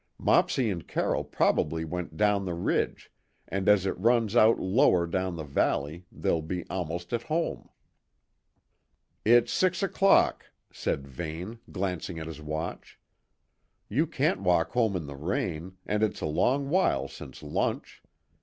"Mopsy and Carroll probably went down the Ridge, and as it runs out lower down the valley, they'll be almost at home." "It's six o'clock," said Vane, glancing at his watch. "You can't walk home in the rain, and it's a long while since lunch.